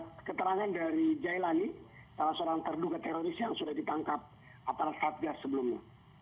dan keterangan dari jailani salah seorang terduga teroris yang sudah ditangkap aparat tatgat sebelumnya